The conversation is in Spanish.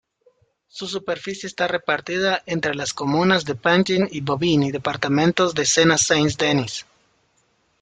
Su superficie está repartida entre las comunas de Pantin y Bobigny, departamento de Sena-Saint-Denis.